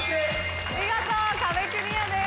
見事壁クリアです。